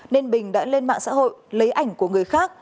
nên bình đã lên mạng xã hội lấy ảnh của người khác